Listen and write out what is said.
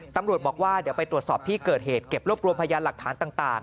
ตำรวจบอกว่าเดี๋ยวไปตรวจสอบที่เกิดเหตุเก็บรวบรวมพยานหลักฐานต่าง